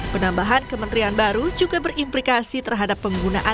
penambahan kementerian baru juga berimplikasi terhadap penggunaan